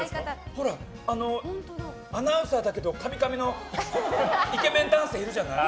ほら、アナウンサーだけどかみかみのイケメン男性いるじゃない。